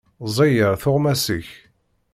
Ẓeyyer tuɣmas-ik.